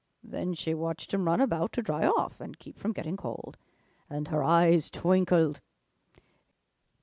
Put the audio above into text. Then she watched him run about to dry off and keep from getting cold, and her eyes twinkled.